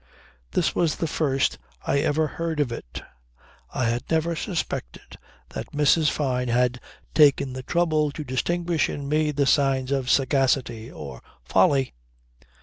This was the first I ever heard of it. I had never suspected that Mrs. Fyne had taken the trouble to distinguish in me the signs of sagacity or folly.